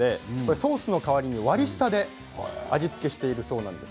ソースの代わりに割り下で味付けをしているそうです。